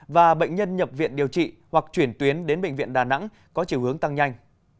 và bệnh nhân nhập viện điều trị hoặc chuyển tuyến đến bệnh viện đà nẵng có chiều hướng tăng nhanh